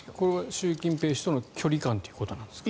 習近平氏との距離感ということですか？